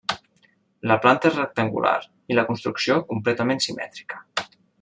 La planta és rectangular i la construcció completament simètrica.